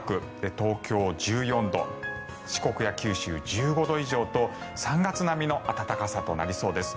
東京、１４度四国や九州、１５度以上と３月並みの暖かさとなりそうです。